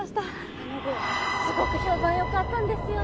すごく評判良かったんですよ！